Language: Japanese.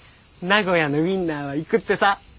名古屋のウインナーは行くってさ。